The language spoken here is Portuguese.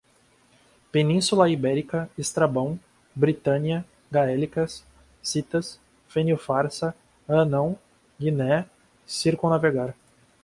Península Ibérica, Estrabão, Britânia, gaélicas, citas, Fênio Farsa, Hanão, Guiné, circum-navegar